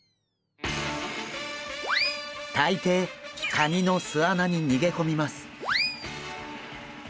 大抵カニの巣穴に逃げ込みます。